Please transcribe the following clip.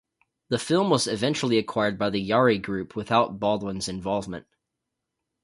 The film was eventually acquired by The Yari Group without Baldwin's involvement.